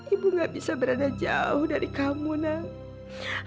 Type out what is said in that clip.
ibu gak bisa berada jauh dari kamu nak